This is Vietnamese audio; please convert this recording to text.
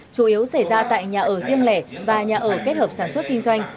chủ yếu xảy ra tại nhà ở riêng lẻ và nhà ở kết hợp sản xuất kinh doanh